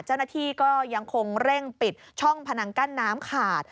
เจ้าหน้าที่ก็ยังคงเร่งปิดช่องพนังกั้นน้ำขาด